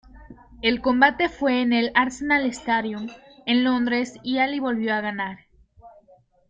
El combate fue en el "Arsenal Stadium" en Londres y Ali volvió a ganar.